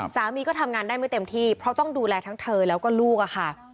สามีก็ทำงานได้ไม่เต็มที่เพราะต้องดูแลทั้งเธอแล้วก็ลูกอะค่ะ